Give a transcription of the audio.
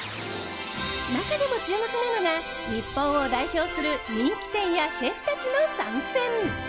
中でも注目なのが日本を代表する人気店やシェフたちの参戦。